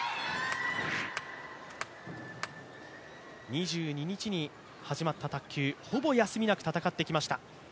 ２２日に始まった卓球、ほぼ休みなく戦ってきました。